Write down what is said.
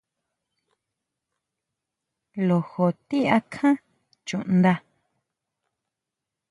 Lojo ti akjan chundá?